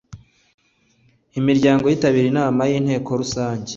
imiryango yitabiriye inama y Inteko Rusange